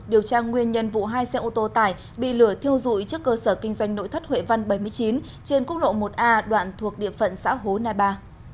điều tra nguyên nhân vụ hai xe ô tô tải bị lửa thiêu dụi trước cơ sở kinh doanh nội thất huệ văn bảy mươi chín trên quốc lộ một a đoạn thuộc địa phận xã hố nai ba